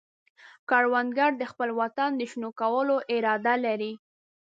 کروندګر د خپل وطن د شنه کولو اراده لري